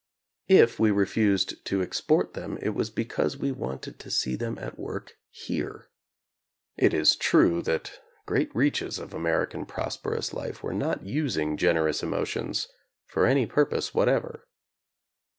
If we refused to export them it was because we wanted to see them at work here. It is true that great reaches of American prosperous life were not using generous emotions for any purpose whatever.